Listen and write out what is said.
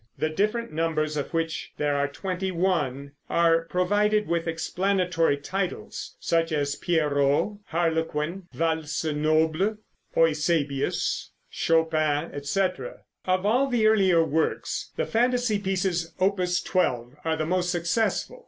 The different numbers, of which there are twenty one, are provided with explanatory titles, such as "Pierrot," "Harlequin," "Valse Noble," "Eusebius," "Chopin," etc. Of all the earlier works the Fantasy Pieces, Opus 12, are the most successful.